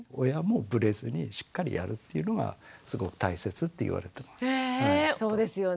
親もブレずにしっかりやるっていうのがすごく大切って言われています。